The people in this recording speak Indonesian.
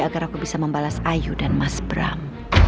agar aku bisa membalas ayu dan mas bram